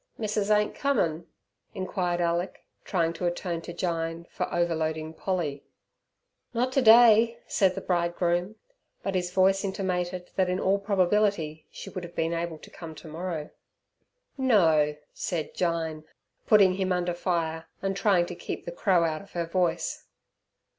"Missus ain't comin'?" inquired Alick, trying to atone to Jyne for overloading Polly. "Not ter day," said the bridegroom, but his voice intimated that in all probability she would have been able to come tomorrow. "No!" said Jyne, putting him under fire, and trying to keep the crow out of her voice.